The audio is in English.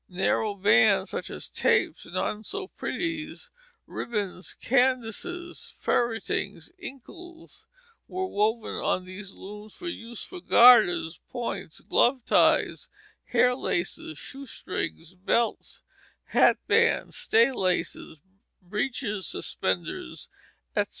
Narrow bands such as tapes, none so pretty's, ribbons, caddises, ferretings, inkles, were woven on these looms for use for garters, points, glove ties, hair laces, shoestrings, belts, hat bands, stay laces, breeches suspenders, etc.